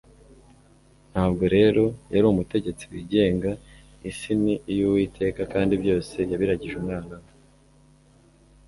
Ntabwo rero yari umutegetsi wigenga. Isi ni iy'Uwiteka, kandi byose yabiragije Umwana we